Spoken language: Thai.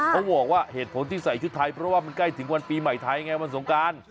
เขาบอกว่าเหตุผลที่ใส่ชุดไทยเพราะว่ามันใกล้ถึงวันปีใหม่ไทยไงวันสงการ